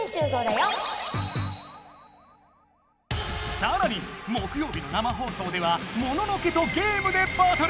さらに木よう日の生放送ではモノノ家とゲームでバトル！